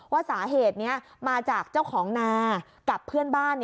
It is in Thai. ว่าสาเหตุนี้มาจากเจ้าของนากับเพื่อนบ้าน